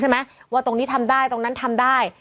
ว่าตรงนี้ทำได้ตรงนั้นทำได้